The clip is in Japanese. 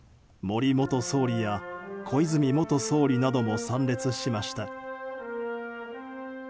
森元総理や小泉元総理なども参列しました。